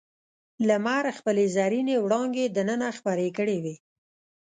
لمر خپلې زرینې وړانګې دننه خپرې کړې وې.